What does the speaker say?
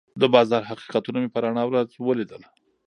د بازار حقیقتونه مې په رڼا ورځ ولیدل.